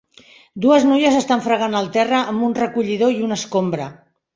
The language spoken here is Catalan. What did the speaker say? Dues noies estan fregant el terra amb un recollidor i una escombra.